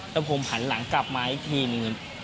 แล้วผมหันหลังกลับมาอีกทีหนึ่ง